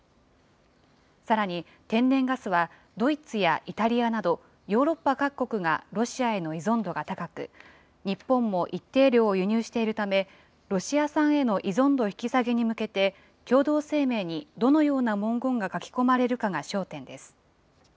さらに、天然ガスはドイツやイタリアなどヨーロッパ各国がロシアへの依存度が高く、日本も一定量を輸入しているため、ロシア産への依存度引き下げに向けて、共同声明にどのような文言が書き込まれるかが焦点です。